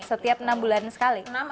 setiap enam bulan sekali